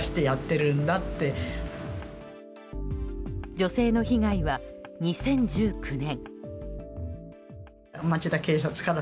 女性の被害は２０１９年。